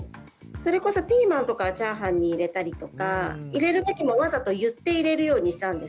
それこそピーマンとかはチャーハンに入れたりとか入れる時もわざと言って入れるようにしたんですね。